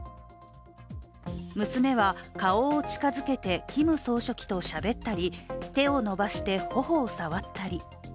娘は顔を近づけてキム総書記としゃべったり、手を伸ばして頬を触ったり。